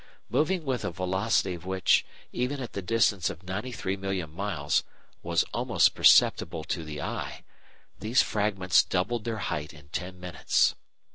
Moving with a velocity which, even at the distance of 93,000,000 miles, was almost perceptible to the eye, these fragments doubled their height in ten minutes.